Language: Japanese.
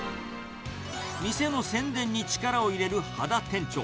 店の宣伝に力を入れる秦店長。